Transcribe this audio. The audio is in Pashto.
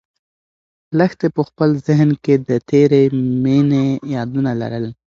لښتې په خپل ذهن کې د تېرې مېنې یادونه لرل.